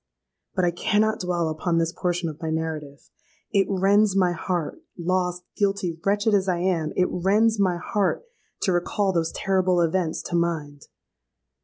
"But I cannot dwell upon this portion of my narrative: it rends my heart—lost, guilty, wretched as I am,—it rends my heart to recall those terrible events to mind!